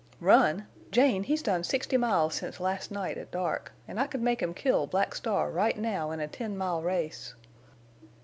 "Run? Jane, he's done sixty miles since last night at dark, and I could make him kill Black Star right now in a ten mile race."